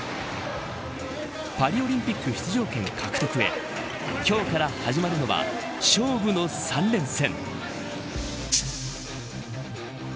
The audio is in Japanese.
パリオリンピック出場権獲得へ今日から始まるのは勝負の３連戦。